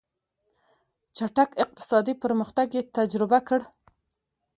چټک اقتصادي پرمختګ یې تجربه کړ.